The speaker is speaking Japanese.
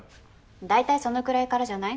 大体そのくらいからじゃない？